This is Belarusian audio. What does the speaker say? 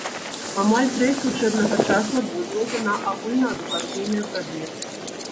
Амаль трэць вучэбнага часу адводзілася на агульнаадукацыйныя прадметы.